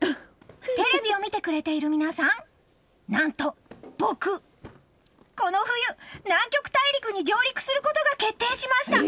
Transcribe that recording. テレビを見てくれてる皆さん何と僕この冬、南極大陸に上陸することが決定しました。